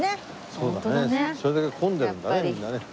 それだけ混んでるんだねみんなね。